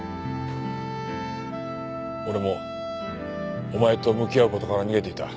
俺もお前と向き合う事から逃げていた。